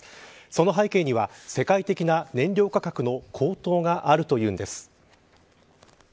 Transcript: その背景には世界的な燃料価格の高騰があるというんです。